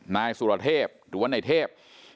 นายสุรเทพหรือว่านายเทพ